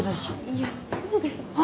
いやそうですけど。